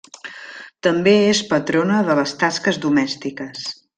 També és patrona de les tasques domèstiques.